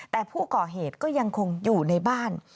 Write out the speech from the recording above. แต่ผู้ก่อเหตุก็ยังคงอยู่ในบ้าน